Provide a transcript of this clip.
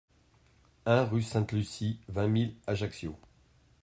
un rue Sainte-Lucie, vingt mille Ajaccio